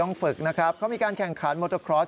ฝึกนะครับเขามีการแข่งขันโมโตครอส